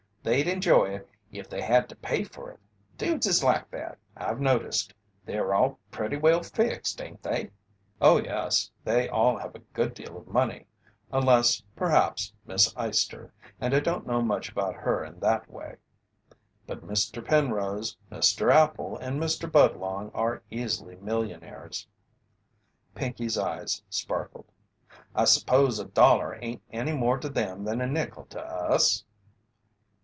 They'd enjoy it if they had to pay for it dudes is like that, I've noticed. They're all pretty well fixed, ain't they?" "Oh, yes, they all have a good deal of money, unless, perhaps Miss Eyester, and I don't know much about her in that way. But Mr. Penrose, Mr. Appel, and Mr. Budlong are easily millionaires." Pinkey's eyes sparkled. "I s'pose a dollar ain't any more to them than a nickel to us?"